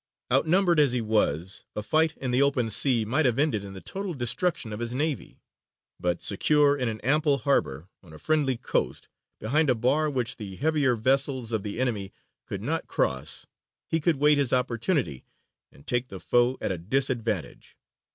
Outnumbered as he was, a fight in the open sea might have ended in the total destruction of his navy; but secure in an ample harbour, on a friendly coast, behind a bar which the heavier vessels of the enemy could not cross, he could wait his opportunity and take the foe at a disadvantage.